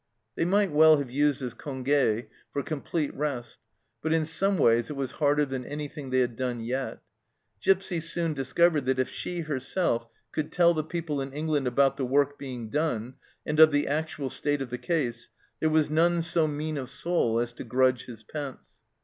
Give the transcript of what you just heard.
They might well have used this conge for com plete rest, but in some ways it was harder than anything they had done yet. Gipsy soon discovered that if she herself could tell the people in England about the work being done, and of the actual state of the case, there was none so mean of soul as to grudge his pence.